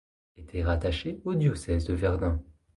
Était rattaché au diocèse de Verdun.